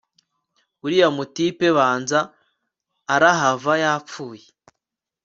uriya mutipe banza arahava yapfuye